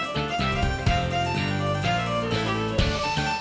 masjid enggak mau doang